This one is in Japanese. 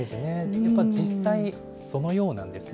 やっぱり実際、そのようなんですね。